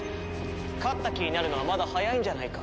勝った気になるのはまだ早いんじゃないか？